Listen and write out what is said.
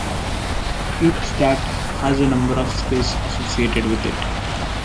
Each stat has a number of skills associated with it.